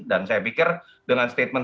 dan saya pikir dengan statement